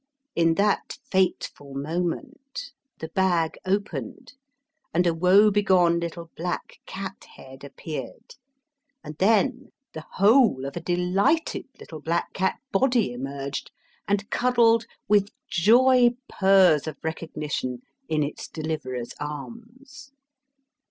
In that fateful moment the bag opened and a woebegone little black cat head appeared; and then the whole of a delighted little black cat body emerged and cuddled with joy purrs of recognition in its deliverer's arms!